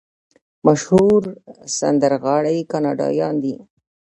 مشهور سندرغاړي کاناډایان دي.